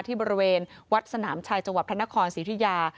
ที่บริเวณวัดสนามชายจธนครศิริยา